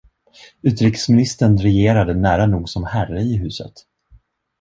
Utrikesministern regerade nära nog som herre i huset.